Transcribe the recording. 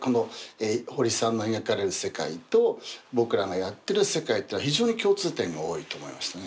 ホリさんの描かれる世界と僕らがやってる世界っていうのは非常に共通点が多いと思いましたね。